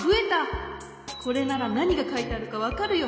これならなにがかいてあるかわかるよ。